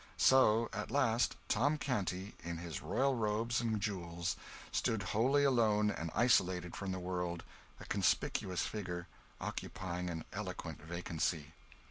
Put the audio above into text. So at last Tom Canty, in his royal robes and jewels, stood wholly alone and isolated from the world, a conspicuous figure, occupying an eloquent vacancy.